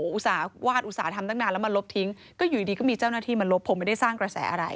อื่นอืดดีก็มีเจ้าหน้าที่มาลบผมไม่ได้สร้างกระแสอะไร